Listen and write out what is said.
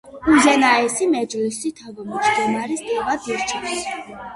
უზენაესი მეჯლისი თავმჯდომარეს თავად ირჩევს.